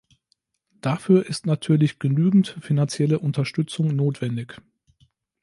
Dafür ist natürlich genügend finanzielle Unterstützung notwendig.